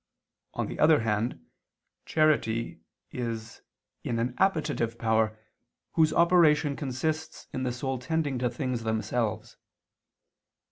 On the other hand, charity is in an appetitive power, whose operation consists in the soul tending to things themselves.